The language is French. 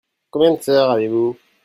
Combien de sœurs avez-vous ?